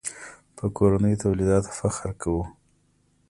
په کورنیو تولیداتو فخر کوو.